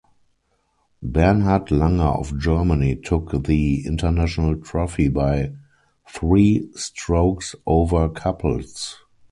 Bernhard Langer of Germany took the International Trophy by three strokes over Couples.